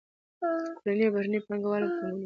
کورني او بهرني پانګه وال پانګونه کوي.